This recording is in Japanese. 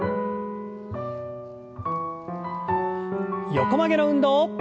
横曲げの運動。